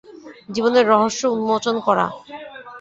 জীবনের রহস্য উন্মোচন করা!